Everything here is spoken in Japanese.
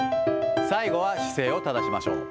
最後は姿勢を正しましょう。